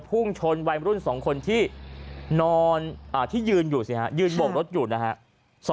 พุ่งชนวัยรุ่น๒คนที่ยืนโบกรถอยู่นะครับ